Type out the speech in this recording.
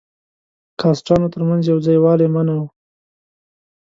کاسټانو تر منځ یو ځای والی منع وو.